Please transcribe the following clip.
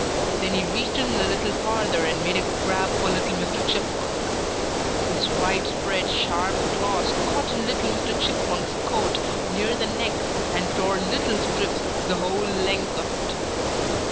Then he reached in a little farther and made a grab for little Mr. Chipmunk. His wide spread, sharp claws caught in little Mr. Chipmunk's coat near the neck and tore little strips the whole length of it.